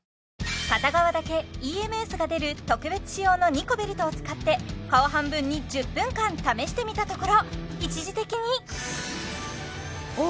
片側だけＥＭＳが出る特別仕様のニコベルトを使って顔半分に１０分間試してみたところ一時的にお！